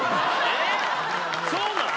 えっそうなん？